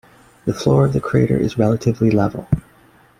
The floor of the crater is relatively level.